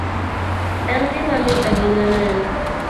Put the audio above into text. En gima lit ahinya neno